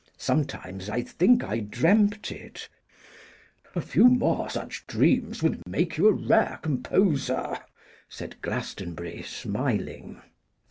Sometimes I think I dreamt it.' 'A few more such dreams would make you a rare composer,' said Glastonbury, smiling.